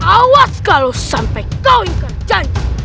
awas kalau sampai kau ingat janji